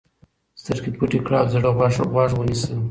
سترګې پټې کړه او د زړه غوږ ونیسه.